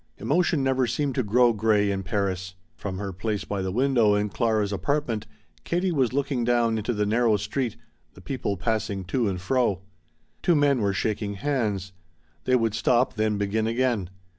Emotion never seemed to grow gray in Paris. From her place by the window in Clara's apartment Katie was looking down into the narrow street, the people passing to and fro. Two men were shaking hands. They would stop, then begin again.